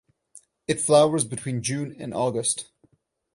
It flowers between June and August.